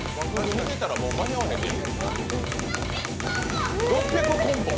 見てたら間に合わへんねや。